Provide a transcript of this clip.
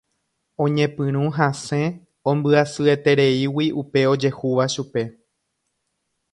Oñepyrũ hasẽ ombyasyetereígui upe ojehúva chupe.